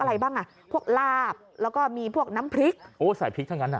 อะไรบ้างอ่ะพวกลาบแล้วก็มีพวกน้ำพริกโอ้ใส่พริกทั้งนั้นอ่ะ